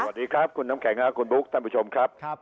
สวัสดีครับคุณน้ำแข็งคุณบุ๊คท่านผู้ชมครับ